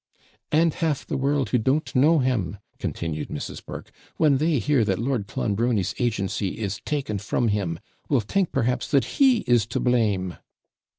'And half the world, who don't know him,' continued Mrs. Burke, 'when they hear that Lord Clonbrony's agency is taken from him, will think, perhaps, that he is to blame.'